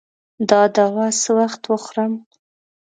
دا دوا څه وخت وخورم؟